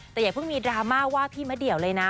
แต่อย่าเพิ่งมีดราม่าว่าพี่มะเดี่ยวเลยนะ